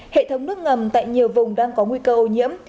hệ thống nước ngầm tại nhiều vùng đang có nguy cơ ô nhiễm